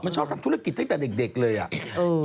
มันชอบทำธุรกิจตั้งแต่เด็กเลยอ่ะ